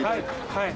はい。